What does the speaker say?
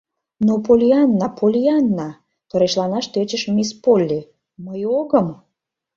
— Но, Поллианна, Поллианна, — торешланаш тӧчыш мисс Полли, — мый огым...